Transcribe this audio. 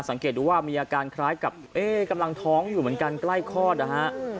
สังเกตดูว่ามีอาการคล้ายกับกำลังท้องอยู่เหมือนกันใกล้คลอดนะฮะ